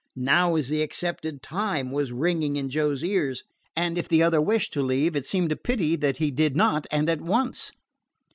Now is the accepted time was ringing in Joe's ears, and if the other wished to leave, it seemed a pity that he did not, and at once.